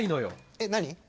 えっ何？